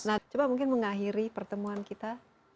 nah coba mungkin mengakhiri pertemuan kita